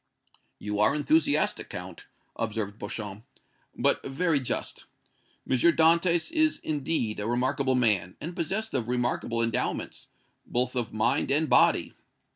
"You are enthusiastic, Count," observed Beauchamp, "but very just. M. Dantès is, indeed, a remarkable man, and possessed of remarkable endowments, both of mind and body.